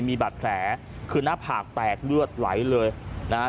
มีบาดแผลคือหน้าผากแตกเลือดไหลเลยนะฮะ